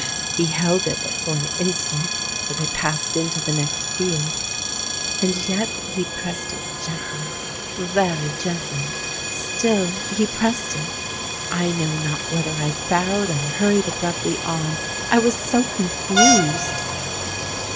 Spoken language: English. He held it but for an instant as I passed into the next field;—and yet he pressed it gently—very gently;—still he pressed it! I know not whether I bowed or hurried abruptly on—I was so confused!"